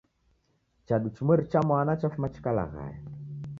Chadu chimweri cha mwana chafuma chikalaghaya